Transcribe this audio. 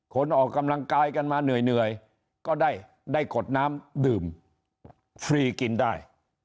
ออกกำลังกายกันมาเหนื่อยก็ได้กดน้ำดื่มฟรีกินได้